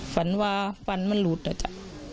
ฝันว่าฟันมันหลุดอ่ะจ้ะ